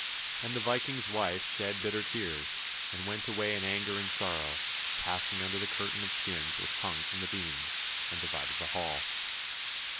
" And the Viking's wife shed bitter tears, and went away in anger and sorrow, passing under the curtain of skins which hung from the beams and divided the hall.